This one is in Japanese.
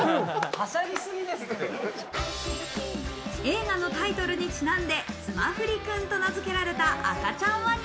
映画のタイトルにちなんでツマフリくんと名付けられた赤ちゃんワニ。